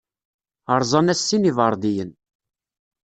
Rẓan-as sin iberḍiyen.